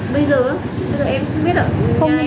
bây giờ em không biết ạ